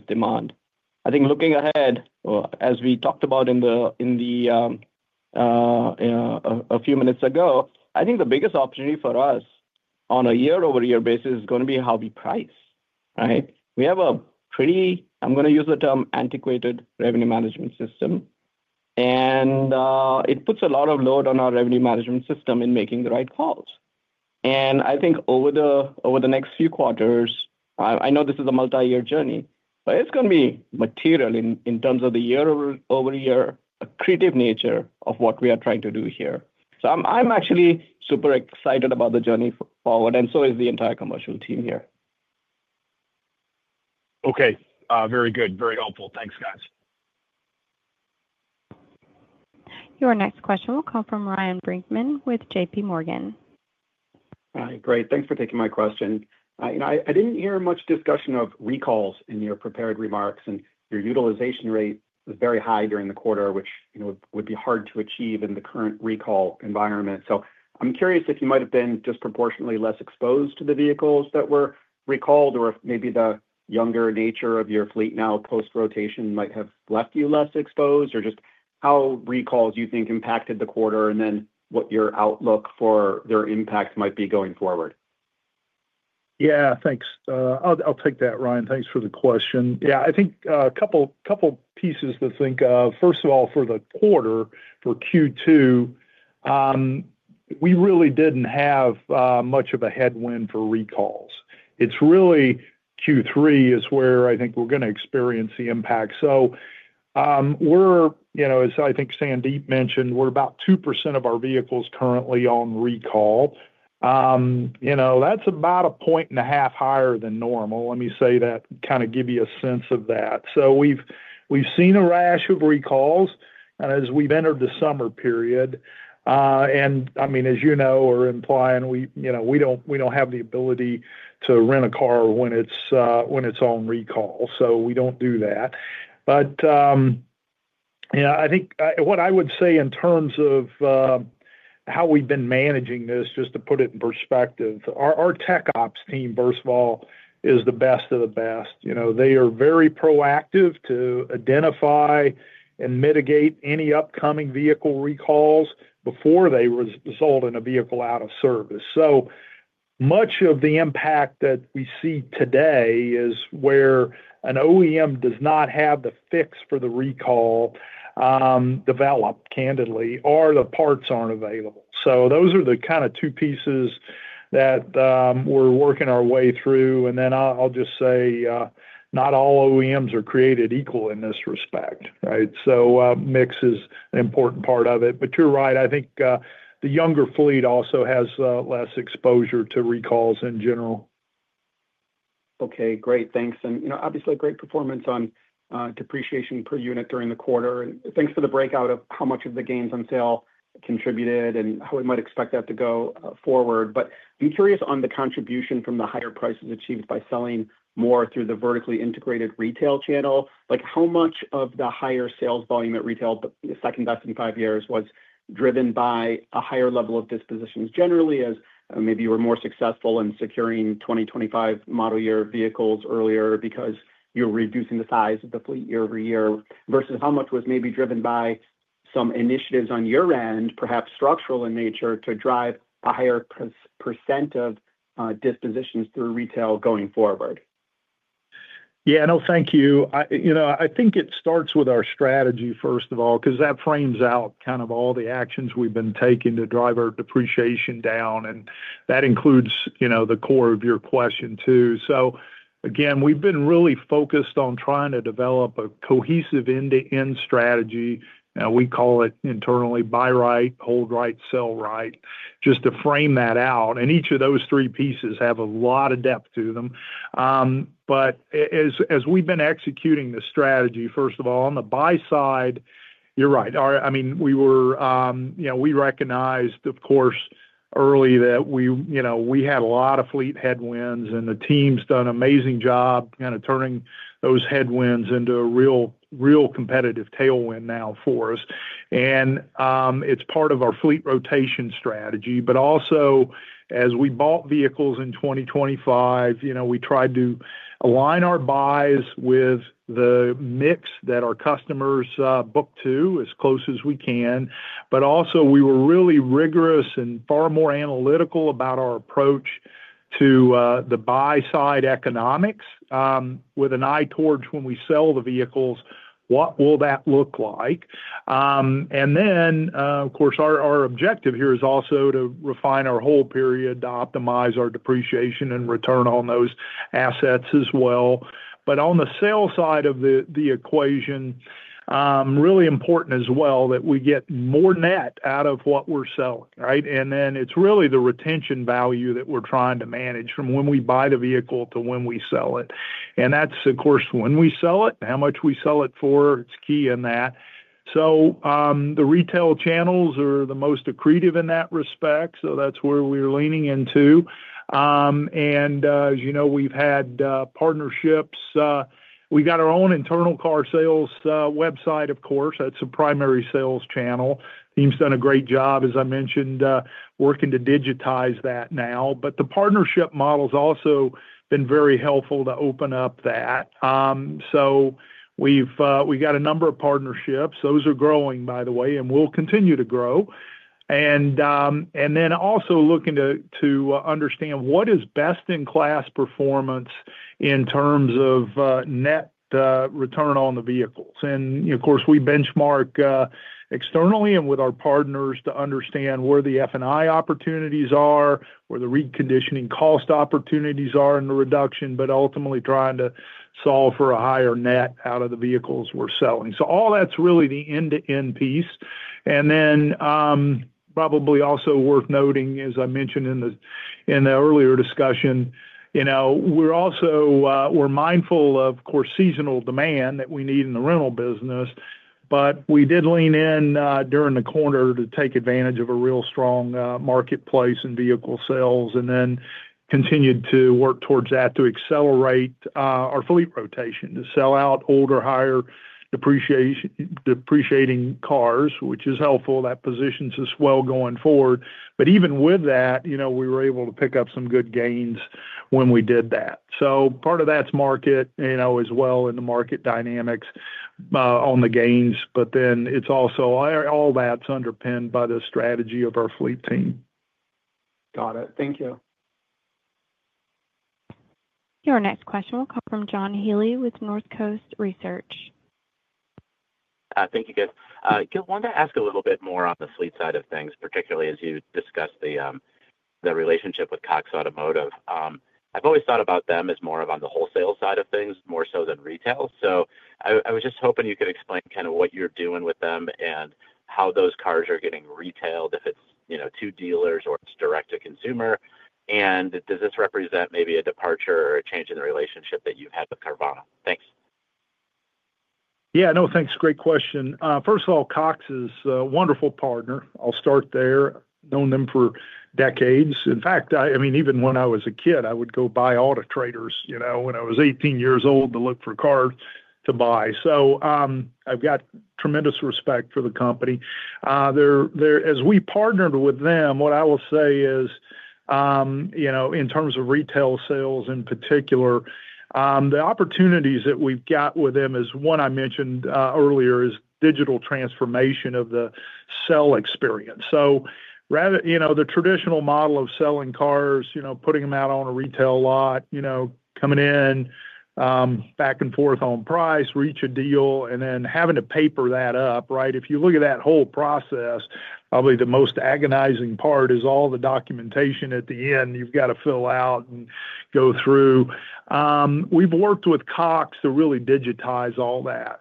demand. I think looking ahead, as we talked about a few minutes ago, I think the biggest opportunity for us on a year-over-year basis is going to be how we price, right? We have a pretty, I'm going to use the term antiquated revenue management system, and it puts a lot of load on our revenue management system in making the right calls. I think over the next few quarters, I know this is a multi-year journey, but it is going to be material in terms of the year-over-year accretive nature of what we are trying to do here. I'm actually super excited about the journey forward, and so is the entire commercial team here. Okay. Very good. Very helpful. Thanks, guys. Your next question will come from Ryan Brinkman with JPMorgan. Hi. Great. Thanks for taking my question. I didn't hear much discussion of recalls in your prepared remarks, and your utilization rate was very high during the quarter, which would be hard to achieve in the current recall environment. I'm curious if you might have been disproportionately less exposed to the vehicles that were recalled or if maybe the younger nature of your fleet now post-rotation might have left you less exposed or just how recalls you think impacted the quarter and what your outlook for their impact might be going forward. Yeah, thanks. I'll take that, Ryan. Thanks for the question. I think a couple of pieces to think of. First of all, for the quarter, for Q2, we really didn't have much of a headwind for recalls. It's really Q3 is where I think we're going to experience the impact. As I think Sandeep mentioned, we're about 2% of our vehicles currently on recall. That's about a point and a half higher than normal. Let me say that to kind of give you a sense of that. We've seen a rash of recalls as we've entered the summer period, and as you know or are implying, we don't have the ability to rent a car when it's on recall. We don't do that. I think what I would say in terms of how we've been managing this, just to put it in perspective, our tech ops team, first of all, is the best of the best. They are very proactive to identify and mitigate any upcoming vehicle recalls before they result in a vehicle out of service. Much of the impact that we see today is where an OEM does not have the fix for the recall developed, candidly, or the parts aren't available. Those are the kind of two pieces that we're working our way through. Not all OEMs are created equal in this respect, right? Mix is an important part of it. You're right. I think the younger fleet also has less exposure to recalls in general. Okay. Great. Thanks. You know, obviously, a great performance on depreciation per unit during the quarter. Thanks for the breakout of how much of the gains on sale contributed and how we might expect that to go forward. I'm curious on the contribution from the higher prices achieved by selling more through the vertically integrated retail channel. How much of the higher sales volume at retail in the second best in five years was driven by a higher level of dispositions generally, as maybe you were more successful in securing 2025 model year vehicles earlier because you were reducing the size of the fleet year-over-year versus how much was maybe driven by some initiatives on your end, perhaps structural in nature, to drive a higher % of dispositions through retail going forward? Thank you. I think it starts with our strategy, first of all, because that frames out all the actions we've been taking to drive our depreciation down. That includes the core of your question, too. We've been really focused on trying to develop a cohesive end-to-end strategy. We call it internally buy-right, hold-right, sell-right, just to frame that out. Each of those three pieces has a lot of depth to them. As we've been executing the strategy, on the buy side, you're right. We recognized, of course, early that we had a lot of fleet headwinds, and the team's done an amazing job turning those headwinds into a real competitive tailwind now for us. It's part of our fleet rotation strategy. As we bought vehicles in 2025, we tried to align our buys with the mix that our customers book to as close as we can. We were really rigorous and far more analytical about our approach to the buy-side economics, with an eye towards when we sell the vehicles, what will that look like? Our objective here is also to refine our hold period to optimize our depreciation and return on those assets as well. On the sale side of the equation, it's really important as well that we get more net out of what we're selling, right? It's really the retention value that we're trying to manage from when we buy the vehicle to when we sell it. When we sell it, how much we sell it for is key in that. The retail channels are the most accretive in that respect. That's where we're leaning into. As you know, we've had partnerships. We've got our own internal car sales website, of course. That's a primary sales channel. The team's done a great job, as I mentioned, working to digitize that now. The partnership model's also been very helpful to open up that. We've got a number of partnerships. Those are growing, by the way, and will continue to grow. We're also looking to understand what is best-in-class performance in terms of net return on the vehicles. We benchmark externally and with our partners to understand where the F&I opportunities are, where the reconditioning cost opportunities are in the reduction, but ultimately trying to solve for a higher net out of the vehicles we're selling. All that's really the end-to-end piece. It is probably also worth noting, as I mentioned in the earlier discussion, we're also mindful of, of course, seasonal demand that we need in the rental business. We did lean in during the quarter to take advantage of a real strong marketplace in vehicle sales and then continued to work towards that to accelerate our fleet rotation, to sell out older, higher depreciating cars, which is helpful. That positions us well going forward. Even with that, we were able to pick up some good gains when we did that. Part of that's market, as well in the market dynamics on the gains. It is also all that's underpinned by the strategy of our fleet team. Got it. Thank you. Your next question will come from John Healy with Northcoast Research. Thank you, Gil. Gil, I wanted to ask a little bit more on the fleet side of things, particularly as you discussed the relationship with Cox Automotive. I've always thought about them as more on the wholesale side of things, more so than retail. I was just hoping you could explain kind of what you're doing with them and how those cars are getting retailed, if it's to dealers or it's direct to consumer. Does this represent maybe a departure or a change in the relationship that you've had with Carvana? Thanks. Yeah, no, thanks. Great question. First of all, Cox Automotive is a wonderful partner. I'll start there. Known them for decades. In fact, even when I was a kid, I would go buy Autotrader's, you know, when I was 18 years old to look for cars to buy. I've got tremendous respect for the company. As we partnered with them, what I will say is, you know, in terms of retail sales in particular, the opportunities that we've got with them, as one I mentioned earlier, is digital transformation of the sell experience. Rather than the traditional model of selling cars, you know, putting them out on a retail lot, coming in, back and forth on price, reach a deal, and then having to paper that up, right? If you look at that whole process, probably the most agonizing part is all the documentation at the end you've got to fill out and go through. We've worked with Cox Automotive to really digitize all that.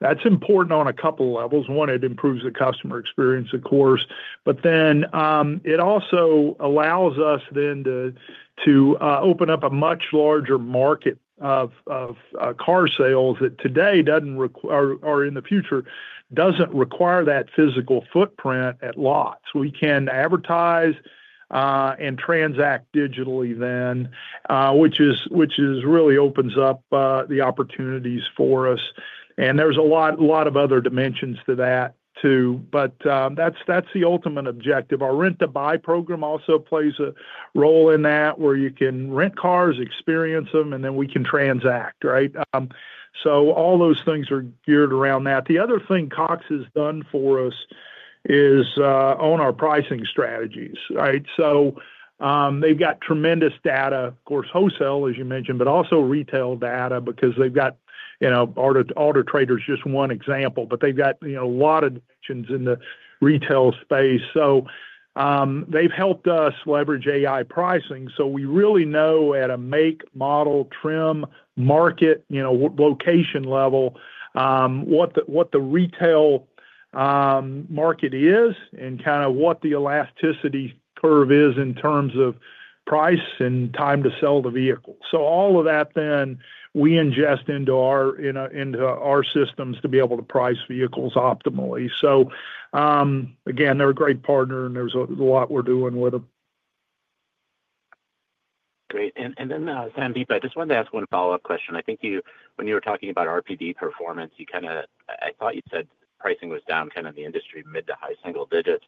That's important on a couple of levels. One, it improves the customer experience, of course. It also allows us then to open up a much larger market of car sales that today doesn't require, or in the future, doesn't require that physical footprint at lots. We can advertise and transact digitally then, which really opens up the opportunities for us. There's a lot of other dimensions to that, too. That's the ultimate objective. Our rent-to-buy program also plays a role in that, where you can rent cars, experience them, and then we can transact, right? All those things are geared around that. The other thing Cox Automotive has done for us is own our pricing strategies, right? They've got tremendous data, of course, wholesale, as you mentioned, but also retail data because they've got, you know, Autotrader is just one example, but they've got, you know, a lot of dimensions in the retail space. They've helped us leverage AI pricing. We really know at a make, model, trim, market, location level, what the retail market is and kind of what the elasticity curve is in terms of price and time to sell the vehicle. All of that then we ingest into our systems to be able to price vehicles optimally. They're a great partner, and there's a lot we're doing with them. Great. Sandeep, I just wanted to ask one follow-up question. I think when you were talking about RPD performance, I thought you said pricing was down kind of the industry mid to high single digit.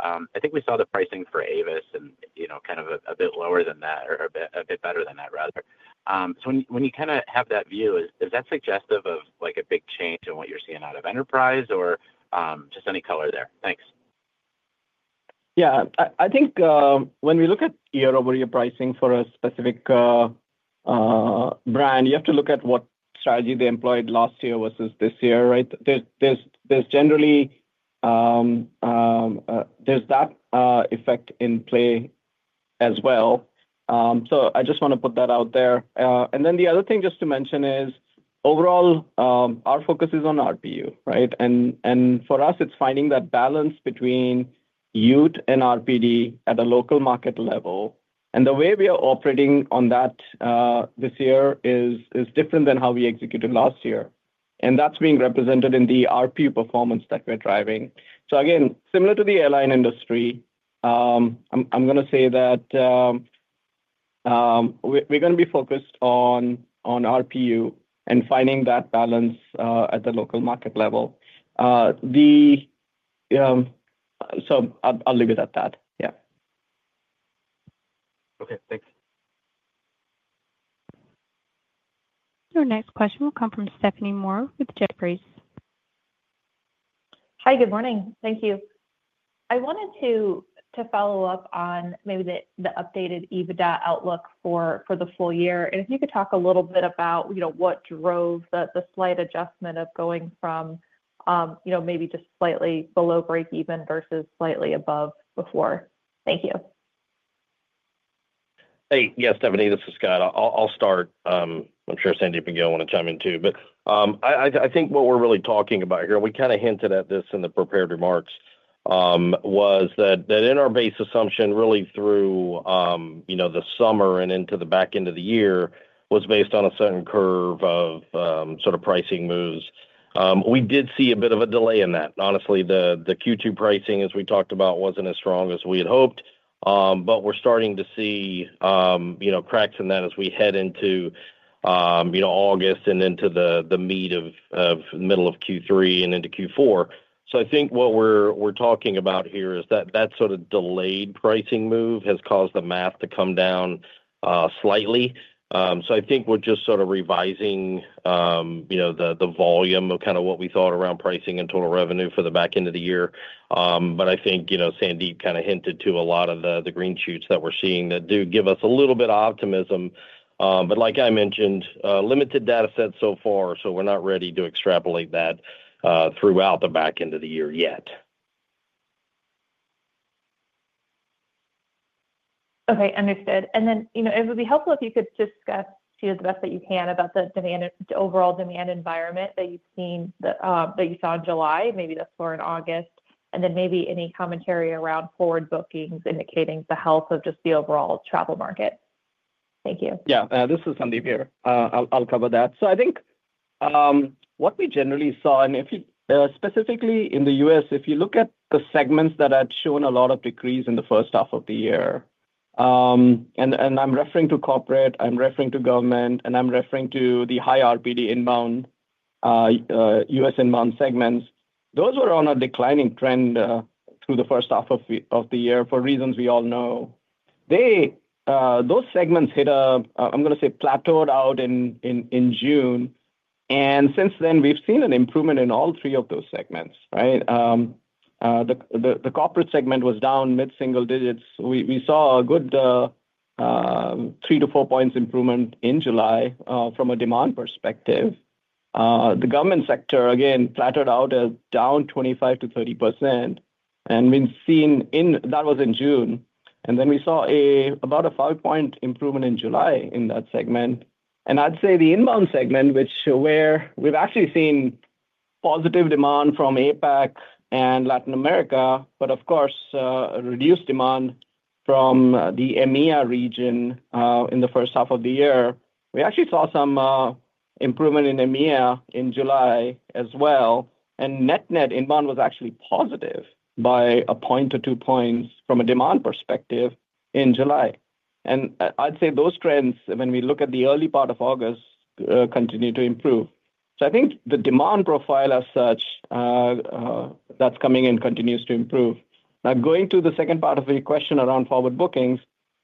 I think we saw the pricing for Avis a bit lower than that or a bit better than that, rather. When you have that view, is that suggestive of a big change in what you're seeing out of enterprise or just any color there? Thanks. Yeah. I think when we look at year-over-year pricing for a specific brand, you have to look at what strategy they employed last year versus this year, right? There's generally that effect in play as well. I just want to put that out there. The other thing just to mention is overall, our focus is on RPU, right? For us, it's finding that balance between yield and RPD at a local market level. The way we are operating on that this year is different than how we executed last year. That's being represented in the RPU performance that we're driving. Again, similar to the airline industry, I'm going to say that we're going to be focused on RPU and finding that balance at the local market level. I'll leave it at that. Yeah. Okay. Thanks. Your next question will come from Stephanie Moore with Jefferies. Hi. Good morning. Thank you. I wanted to follow up on maybe the updated EBITDA outlook for the full year. If you could talk a little bit about what drove the slight adjustment of going from maybe just slightly below breakeven versus slightly above before. Thank you. Yeah, Stephanie, this is Scott. I'll start. I'm sure Sandeep and Gil want to chime in, too. I think what we're really talking about here, and we kind of hinted at this in the prepared remarks, was that in our base assumption, really through the summer and into the back end of the year, was based on a certain curve of sort of pricing moves. We did see a bit of a delay in that. Honestly, the Q2 pricing, as we talked about, wasn't as strong as we had hoped. We're starting to see cracks in that as we head into August and into the meat of the middle of Q3 and into Q4. I think what we're talking about here is that that sort of delayed pricing move has caused the math to come down slightly. I think we're just sort of revising the volume of kind of what we thought around pricing and total revenue for the back end of the year. I think Sandeep kind of hinted to a lot of the green shoots that we're seeing that do give us a little bit of optimism. Like I mentioned, limited data set so far, so we're not ready to extrapolate that throughout the back end of the year yet. Okay. Understood. It would be helpful if you could just discuss the best that you can about the overall demand environment that you've seen, that you saw in July, maybe the floor in August, and then maybe any commentary around forward bookings indicating the health of just the overall travel market. Thank you. Yeah. This is Sandeep here. I'll cover that. I think what we generally saw, specifically in the U.S., if you look at the segments that had shown a lot of decrease in the first half of the year, and I'm referring to corporate, I'm referring to government, and I'm referring to the high RPD inbound U.S. inbound segments, those were on a declining trend through the first half of the year for reasons we all know. Those segments hit a, I'm going to say, plateaued out in June. Since then, we've seen an improvement in all three of those segments, right? The corporate segment was down mid-single digits. We saw a good three to four points improvement in July from a demand perspective. The government sector, again, flattened out at down 25%-30%. That was in June. We saw about a five-point improvement in July in that segment. I'd say the inbound segment, where we've actually seen positive demand from APAC and Latin America, but of course, reduced demand from the EMEA region in the first half of the year, we actually saw some improvement in EMEA in July as well. Net, inbound was actually positive by a point to two points from a demand perspective in July. I'd say those trends, when we look at the early part of August, continue to improve. I think the demand profile as such that's coming in continues to improve. Now, going to the second part of your question around forward bookings,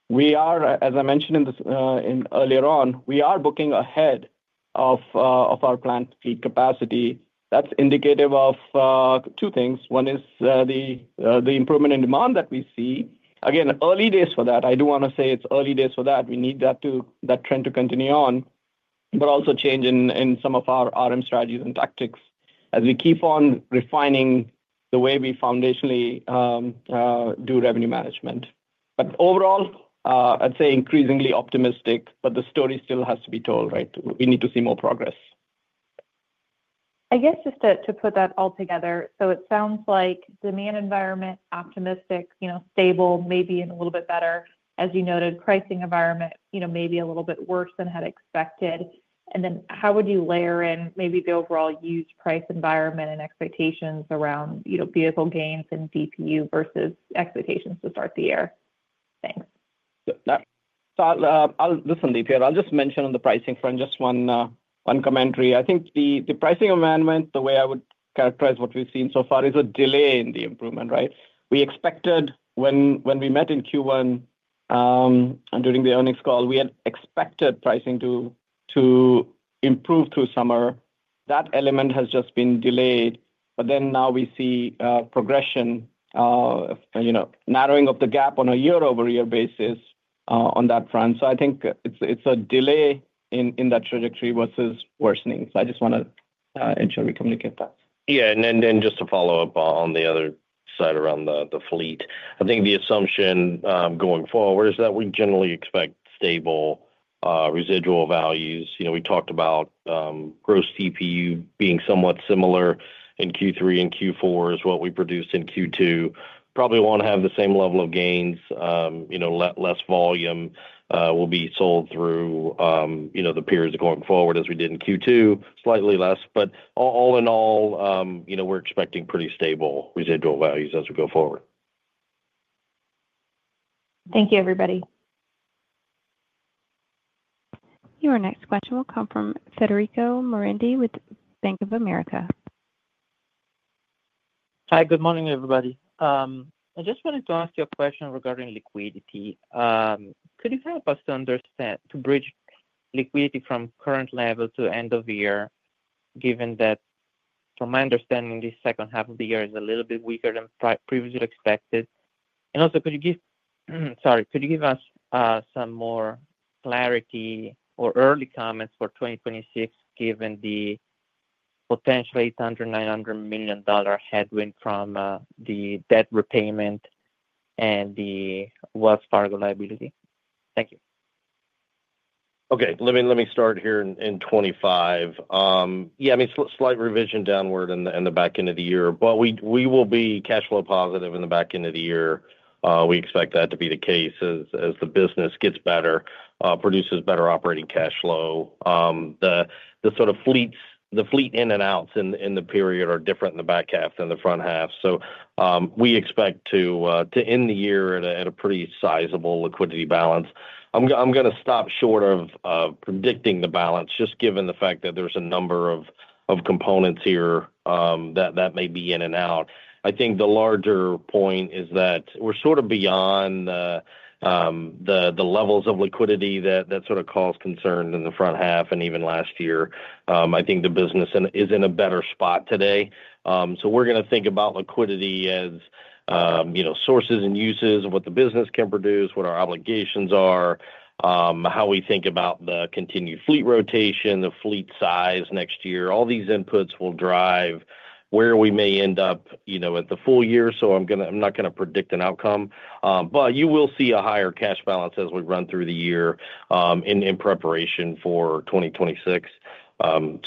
we are, as I mentioned earlier on, booking ahead of our planned fleet capacity. That's indicative of two things. One is the improvement in demand that we see. Again, early days for that. I do want to say it's early days for that. We need that trend to continue on, but also change in some of our RM strategies and tactics as we keep on refining the way we foundationally do revenue management. Overall, I'd say increasingly optimistic, but the story still has to be told, right? We need to see more progress. I guess just to put that all together, it sounds like demand environment optimistic, you know, stable, maybe a little bit better. As you noted, pricing environment, you know, maybe a little bit worse than had expected. How would you layer in maybe the overall used price environment and expectations around, you know, vehicle gains and DPU versus expectations to start the year? Thanks. I'll listen deeply. I'll just mention on the pricing front, just one commentary. I think the pricing environment, the way I would characterize what we've seen so far, is a delay in the improvement, right? We expected when we met in Q1 and during the earnings call, we had expected pricing to improve through summer. That element has just been delayed. Now we see progression, narrowing of the gap on a year-over-year basis on that front. I think it's a delay in that trajectory versus worsening. I just want to ensure we communicate that. Yeah, just to follow up on the other side around the fleet, I think the assumption going forward is that we generally expect stable residual values. We talked about gross TPU being somewhat similar in Q3 and Q4 as what we produced in Q2. Probably want to have the same level of gains, less volume will be sold through the periods going forward as we did in Q2, slightly less. All in all, we're expecting pretty stable residual values as we go forward. Thank you, everybody. Your next question will come from Federico Merendi with Bank of America. Hi. Good morning, everybody. I just wanted to ask you a question regarding liquidity. Could you help us to understand to bridge liquidity from current level to end of year, given that, from my understanding, the second half of the year is a little bit weaker than previously expected? Could you give us some more clarity or early comments for 2026, given the potential $800 million, $900 million headwind from the debt repayment and the Wells Fargo liability? Thank you. Okay. Let me start here in 2025. Yeah, I mean, slight revision downward in the back end of the year, but we will be cash flow positive in the back end of the year. We expect that to be the case as the business gets better, produces better operating cash flow. The sort of fleet in and outs in the period are different in the back half than the front half. We expect to end the year at a pretty sizable liquidity balance. I'm going to stop short of predicting the balance, just given the fact that there's a number of components here that may be in and out. I think the larger point is that we're beyond the levels of liquidity that caused concern in the front half and even last year. I think the business is in a better spot today. We're going to think about liquidity as, you know, sources and uses, what the business can produce, what our obligations are, how we think about the continued fleet rotation, the fleet size next year. All these inputs will drive where we may end up at the full year. I'm not going to predict an outcome, but you will see a higher cash balance as we run through the year in preparation for 2026. I'll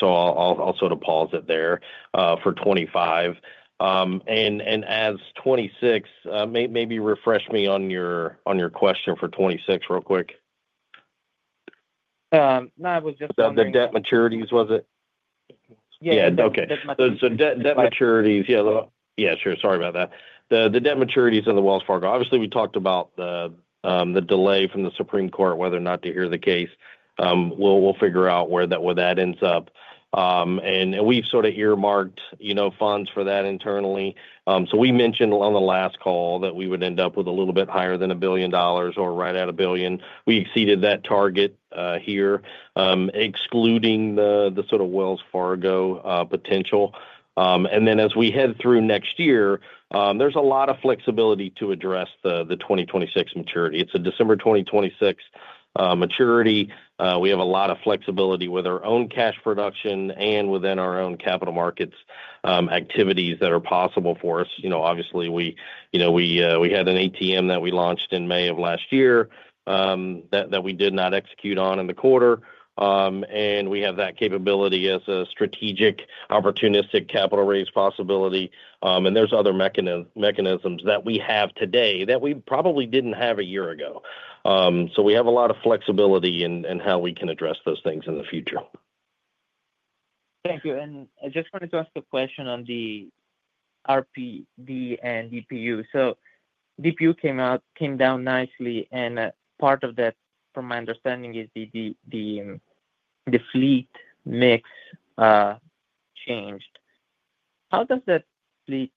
pause it there for 2025. As for 2026, maybe refresh me on your question for 2026 real quick. The debt maturities, was it? Yeah. Okay. Debt maturities, yeah. Sure. Sorry about that. The debt maturities of the Wells Fargo. Obviously, we talked about the delay from the Supreme Court whether or not to hear the case. We'll figure out where that ends up. We've sort of earmarked, you know, funds for that internally. We mentioned on the last call that we would end up with a little bit higher than $1 billion or right at $1 billion. We exceeded that target here, excluding the sort of Wells Fargo potential. As we head through next year, there's a lot of flexibility to address the 2026 maturity. It's a December 2026 maturity. We have a lot of flexibility with our own cash production and within our own capital markets activities that are possible for us. Obviously, we had an ATM that we launched in May of last year that we did not execute on in the quarter. We have that capability as a strategic opportunistic capital raise possibility. There are other mechanisms that we have today that we probably didn't have a year ago. We have a lot of flexibility in how we can address those things in the future. Thank you. I just wanted to ask a question on the RPD and DPU. DPU came down nicely, and part of that, from my understanding, is the fleet mix changed. How does that fleet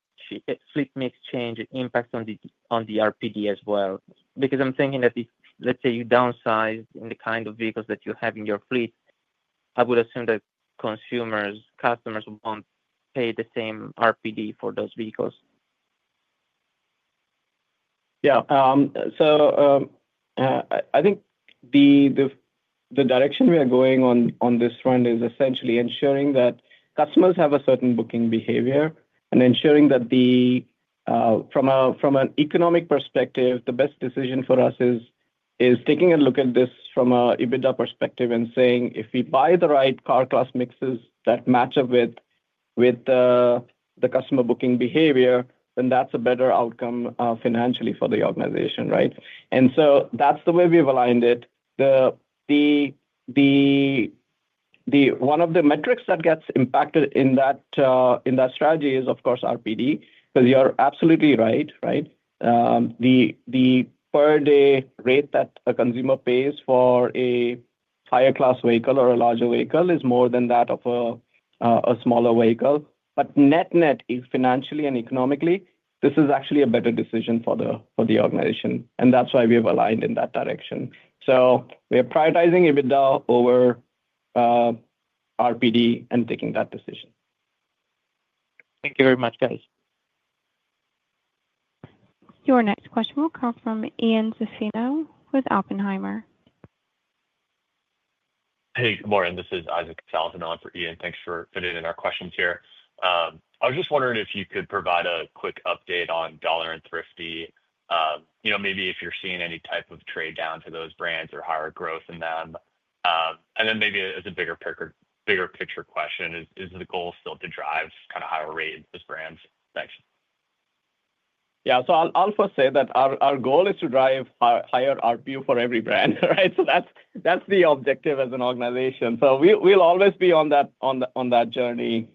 mix change impact on the RPD as well? I'm thinking that if, let's say, you downsize in the kind of vehicles that you have in your fleet, I would assume that customers won't pay the same RPD for those vehicles. I think the direction we are going on this front is essentially ensuring that customers have a certain booking behavior and ensuring that, from an economic perspective, the best decision for us is taking a look at this from an EBITDA perspective and saying, if we buy the right car class mixes that match up with the customer booking behavior, then that's a better outcome financially for the organization, right? That's the way we've aligned it. One of the metrics that gets impacted in that strategy is, of course, RPD, because you're absolutely right, right? The per-day rate that a consumer pays for a higher-class vehicle or a larger vehicle is more than that of a smaller vehicle. Net financially and economically, this is actually a better decision for the organization. That's why we have aligned in that direction. We are prioritizing EBITDA over RPD and taking that decision. Thank you very much, guys. Your next question will come from Ian Zaffino with Oppenheimer. Hey, good morning. This is Isaac Sellhausen for Ian. Thanks for putting in our questions here. I was just wondering if you could provide a quick update on Dollar and Thrifty. You know, maybe if you're seeing any type of trade down to those brands or higher growth in them. Maybe as a bigger picture question, is the goal still to drive kind of higher rates with brands? Yeah. I'll first say that our goal is to drive higher RPU for every brand, right? That's the objective as an organization. We'll always be on that journey.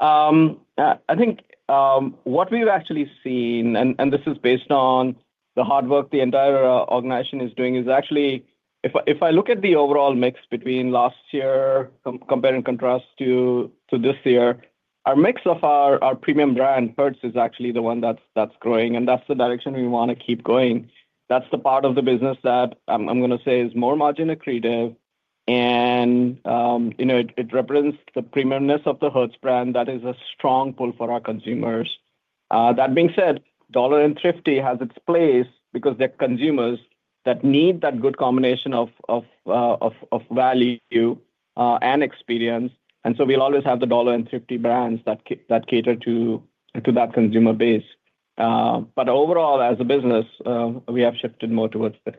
I think what we've actually seen, and this is based on the hard work the entire organization is doing, is actually, if I look at the overall mix between last year, compare and contrast to this year, our mix of our premium brand, Hertz, is actually the one that's growing. That's the direction we want to keep going. That's the part of the business that I'm going to say is more margin accretive. You know, it represents the premiumness of the Hertz brand that is a strong pull for our consumers. That being said, Dollar and Thrifty have their place because there are consumers that need that good combination of value and experience. We'll always have the Dollar and Thrifty brands that cater to that consumer base. Overall, as a business, we have shifted more towards this.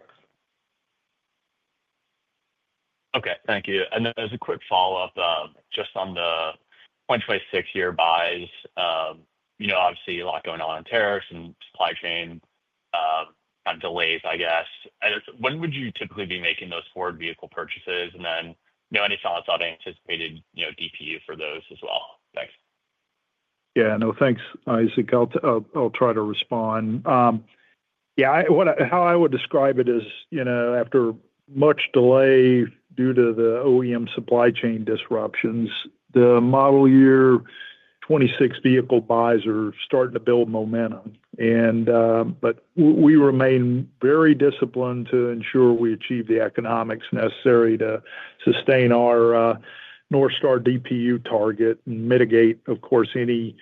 Okay. Thank you. As a quick follow-up, just on the 2026 year buys, you know, obviously, a lot going on in tariffs and supply chain kind of delays, I guess. When would you typically be making those forward vehicle purchases? Any thoughts on anticipated DPU for those as well? Thanks. Thanks, Isaac. I'll try to respond. How I would describe it is, after much delay due to the OEM supply chain disruptions, the model year 2026 vehicle buys are starting to build momentum. We remain very disciplined to ensure we achieve the economics necessary to sustain our North Star DPU target and mitigate, of course, any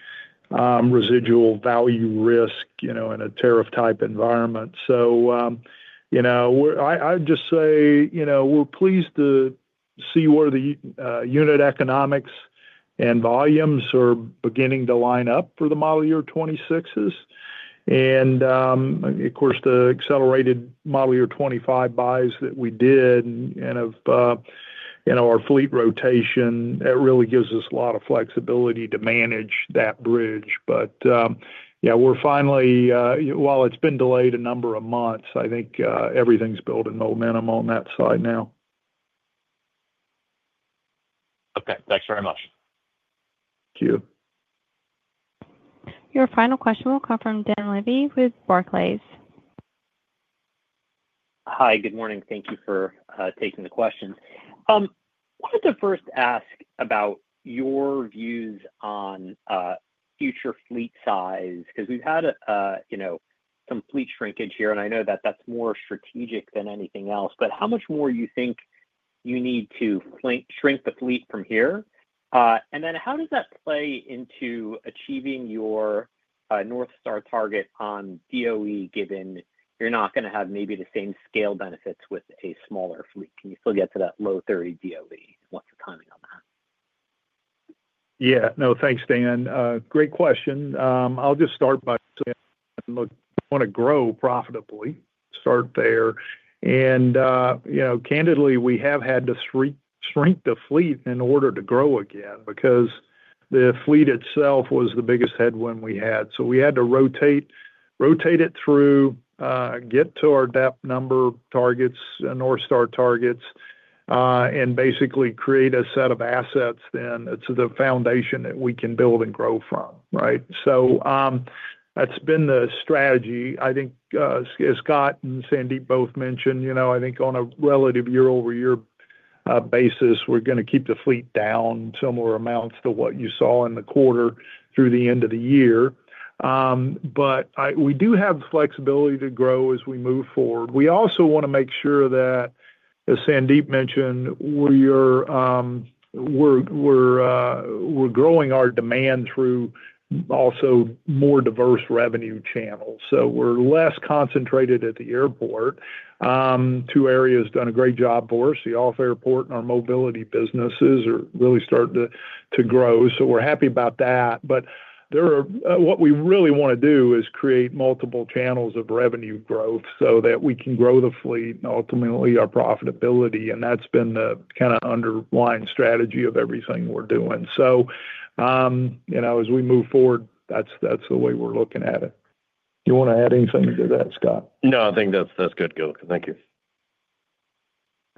residual value risk in a tariff-type environment. I'd just say we're pleased to see where the unit economics and volumes are beginning to line up for the model year 2026s. The accelerated model year 2025 buys that we did and our fleet rotation really give us a lot of flexibility to manage that bridge. We're finally, while it's been delayed a number of months, I think everything's building momentum on that side now. Okay, thanks very much. Thank you. Your final question will come from Dan Levy with Barclays. Hi. Good morning. Thank you for taking the questions. I wanted to first ask about your views on future fleet size because we've had some fleet shrinkage here. I know that that's more strategic than anything else. How much more do you think you need to shrink the fleet from here? How does that play into achieving your North Star target on DPU, given you're not going to have maybe the same scale benefits with a smaller fleet? Can you still get to that low 30 DPU? What's the timing on that? Yeah. No, thanks, Dan. Great question. I'll just start by saying, look, we want to grow profitably. Start there. Candidly, we have had to shrink the fleet in order to grow again because the fleet itself was the biggest headwind we had. We had to rotate it through, get to our DPU number targets, North Star targets, and basically create a set of assets, then to the foundation that we can build and grow from, right? That's been the strategy. I think, as Scott and Sandeep both mentioned, I think on a relative year-over-year basis, we're going to keep the fleet down similar amounts to what you saw in the quarter through the end of the year. We do have the flexibility to grow as we move forward. We also want to make sure that, as Sandeep mentioned, we're growing our demand through also more diverse revenue channels. We're less concentrated at the airport. Two areas have done a great job for us. The off-airport and our mobility businesses are really starting to grow. We're happy about that. What we really want to do is create multiple channels of revenue growth so that we can grow the fleet and ultimately our profitability. That's been the kind of underlying strategy of everything we're doing. As we move forward, that's the way we're looking at it. You want to add anything to that, Scott? No, I think that's good, Gil. Thank you.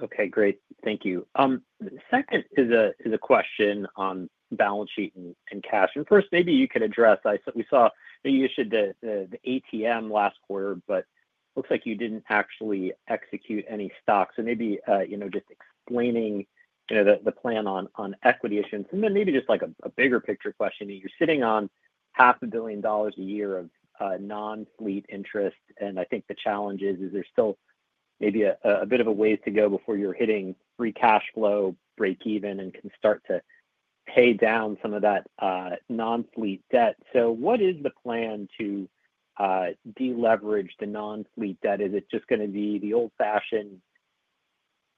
Okay. Great. Thank you. The second is a question on balance sheet and cash. First, maybe you could address, I saw we saw maybe you issued the ATM last quarter, but it looks like you didn't actually execute any stocks. Maybe just explaining the plan on equity issuance. Maybe just like a bigger picture question. You're sitting on $500 million a year of non-fleet interest. I think the challenge is, is there still maybe a bit of a ways to go before you're hitting free cash flow breakeven and can start to pay down some of that non-fleet debt? What is the plan to deleverage the non-fleet debt? Is it just going to be the old-fashioned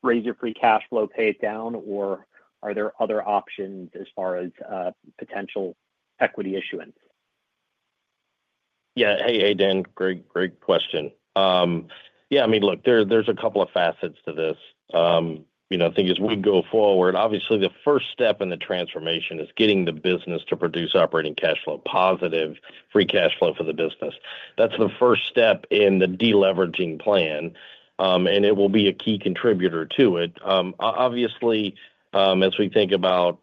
raise your free cash flow, pay it down, or are there other options as far as potential equity issuance? Yeah. Hey, Dan. Great, great question. I mean, look, there's a couple of facets to this. The thing is, we go forward. Obviously, the first step in the transformation is getting the business to produce operating cash flow, positive free cash flow for the business. That's the first step in the deleveraging plan, and it will be a key contributor to it. Obviously, as we think about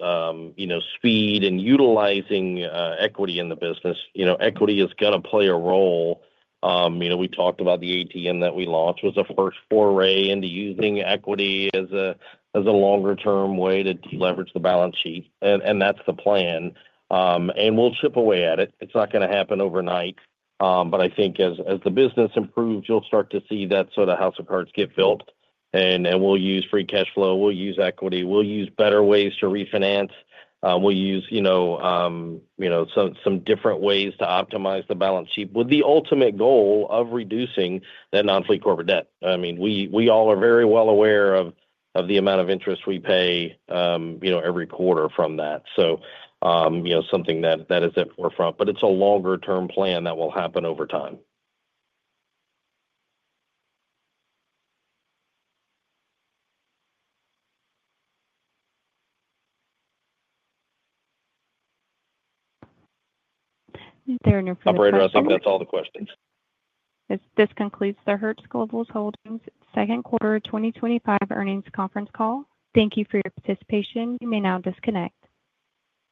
speed and utilizing equity in the business, equity is going to play a role. We talked about the ATM that we launched was a first foray into using equity as a longer-term way to deleverage the balance sheet. That's the plan, and we'll chip away at it. It's not going to happen overnight. I think as the business improves, you'll start to see that sort of house of cards get filled. We'll use free cash flow, we'll use equity, we'll use better ways to refinance, and we'll use some different ways to optimize the balance sheet with the ultimate goal of reducing that non-fleet corporate debt. We all are very well aware of the amount of interest we pay every quarter from that. It's something that is at the forefront, but it's a longer-term plan that will happen over time. That's all the questions. This concludes the Hertz Global Holdings Second Quarter 2025 Earnings Conference Call. Thank you for your participation. You may now disconnect.